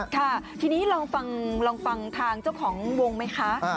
ค่ะทีนี้ลองฟังทางเจ้าของวงไหมคะ